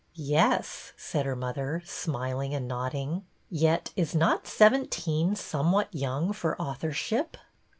'' Yes," said her mother, smiling and nod ding. Yet is not seventeen somewhat young for authorship